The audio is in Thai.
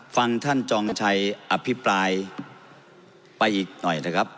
ฟังท่านจองชัยอภิปรายไปอีกหน่อยนะครับ